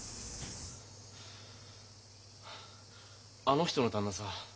あの人の旦那さ